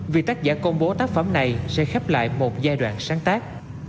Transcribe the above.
vì tác giả công bố tác phẩm này sẽ khép lại một giai đoạn sáng tác